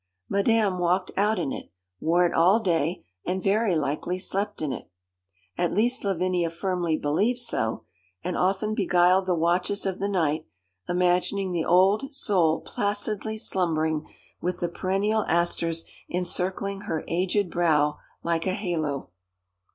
Madame walked out in it, wore it all day, and very likely slept in it. At least Lavinia firmly believed so, and often beguiled the watches of the night, imagining the old soul placidly slumbering with the perennial asters encircling her aged brow like a halo.